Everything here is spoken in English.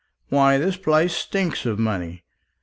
Why, the place stinks of money.